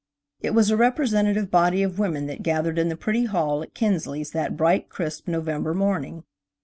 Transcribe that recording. It was a representative body of women that gathered in the pretty hall at Kinsley's that bright, crisp, November morning.